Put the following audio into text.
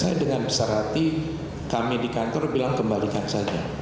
saya dengan besar hati kami di kantor bilang kembalikan saja